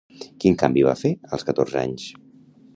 Quin canvi va fer als catorze anys?